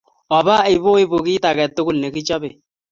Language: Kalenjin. Opa ipoipu kit age tugul ne kichopei